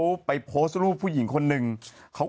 จังหรือเปล่าจังหรือเปล่า